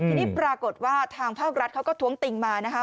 ทีนี้ปรากฏว่าทางภาครัฐเขาก็ท้วงติงมานะคะ